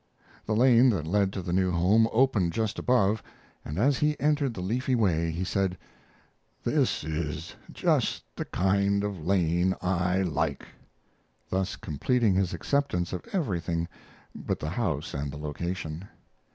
The lane that led to the new home opened just above, and as he entered the leafy way he said, "This is just the kind of a lane I like," thus completing his acceptance of everything but the house and the location.